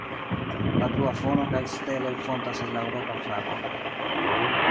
La blua fono kaj la steloj fontas el la Eŭropa flago.